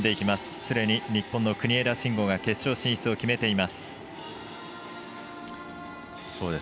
すでに日本の国枝慎吾が決勝進出を決めています。